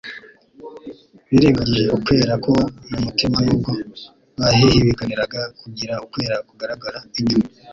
Birengagije ukwera ko mu mutima nubwo bahihibikaniraga kugira ukwera kugaragara inyuma.